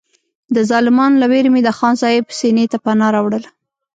د ظالمانو له وېرې مې د خان صاحب سینې ته پناه راوړله.